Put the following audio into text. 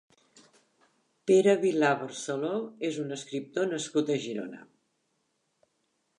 Pere Vilà Barceló és un escriptor nascut a Girona.